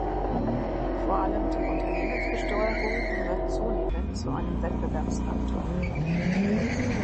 Vor allem die Unternehmensbesteuerung wird zunehmend zu einem Wettbewerbsfaktor.